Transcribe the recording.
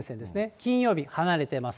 金曜日離れてます。